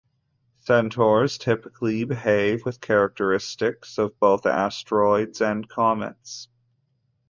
Centaurs typically behave with characteristics of both asteroids and comets.